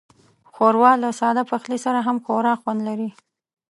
ښوروا له ساده پخلي سره هم خورا خوند لري.